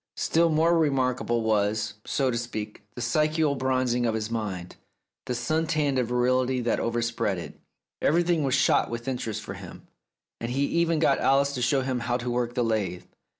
Still more remarkable was, so to speak, the psychical bronzing of his mind, the sun tan of virility that overspread it; everything was shot with interest for him, and he even got Alice to show 277 The Tragedy of Oliver Bowman him how to work the lathe.